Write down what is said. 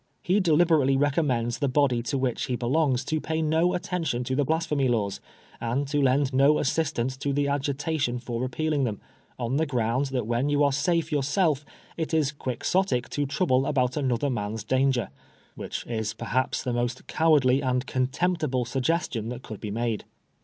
He deliberately recommends the body to which he belongs to pay no attention to the Blasphemy Laws, and to lend no assistance to the agitation for repealing them, on the ground that when you are safe yourself it is Quixotic to trouble about another man's danger ; which is, perhaps, the most cowardly and contemptible suggestion that could be made.